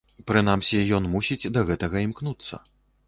Прынамсі ён мусіць да гэтага імкнуцца.